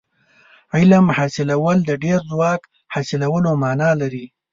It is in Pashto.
علم حاصلول د ډېر ځواک حاصلولو معنا لري.